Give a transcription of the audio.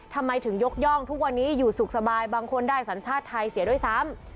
ทำไมถึงยกย่องทุกวันนี้อยู่สุขสบายบางคนได้สัญชาติไทยเสียด้วยซ้ำ